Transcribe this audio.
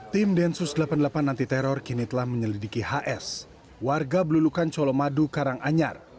tim densus delapan puluh delapan anti teror kini telah menyelidiki hs warga belulukan colomadu karanganyar